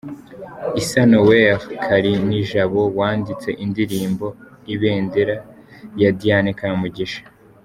Issa Noel Karinijabo wanditse indirimbo 'Ibendera' ya Diana Kamugisha.